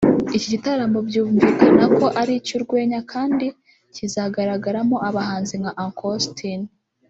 Iki gitaramo byumvikana ko ari icy’urwenya kandi kizagaragaramo abahanzi nka Uncle Austin